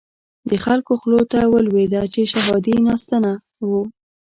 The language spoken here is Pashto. د خلکو خولو ته ولويده چې شهادي ناسنته وو.